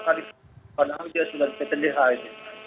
padahal dia sudah kepedean